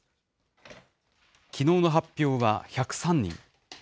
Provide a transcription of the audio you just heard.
きのうの発表は１０３人。